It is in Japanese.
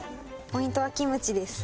ポイントはキムチです。